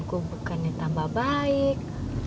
gue bukannya tambah baik